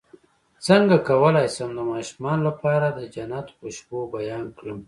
څنګه کولی شم د ماشومانو لپاره د جنت خوشبو بیان کړم